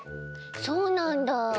そうなんだ。